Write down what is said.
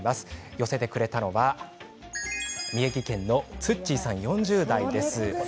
寄せてくれたのは宮城県のつっちーさん４０代です。